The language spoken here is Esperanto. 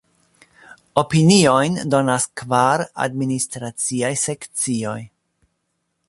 Opiniojn donas kvar administraciaj sekcioj.